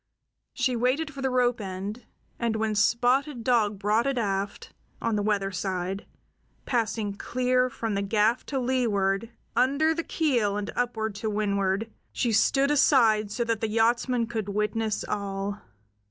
She waited for the rope end, and when Spotted Dog brought it aft, on the weather side, passing clear from the gaff to leeward, under the keel and up to windward, she stood aside so that the yachtsmen could witness all.